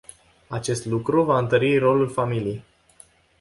Acest lucru va întări rolul familiei.